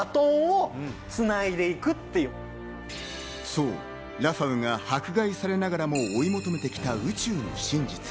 そう、ラファウが迫害されながらも追い求めてきた宇宙の真実。